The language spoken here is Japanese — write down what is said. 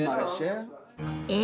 え？